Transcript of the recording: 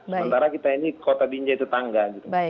sementara kita ini kota binjai tetangga